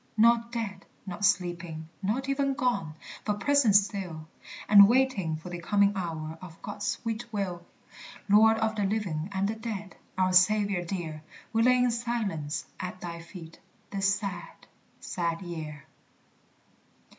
Not dead, not sleeping, not even gone, But present still, And waiting for the coming hour Of God's sweet will. Lord of the living and the dead, Our Saviour dear! We lay in silence at thy feet This sad, sad year.